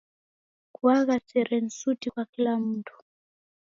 Kuagha sere ni suti kwa kila mndu.